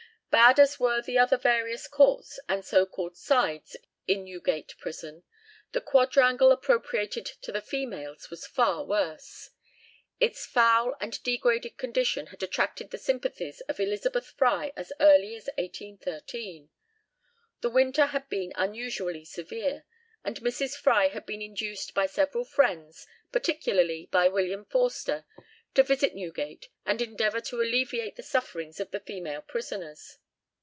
Bad as were the other various courts and so called "sides" in Newgate prison, the quadrangle appropriated to the females was far worse. Its foul and degraded condition had attracted the sympathies of Elizabeth Fry as early as 1813. The winter had been unusually severe, and Mrs. Fry had been induced by several Friends, particularly by William Forster, to visit Newgate and endeavour to alleviate the sufferings of the female prisoners.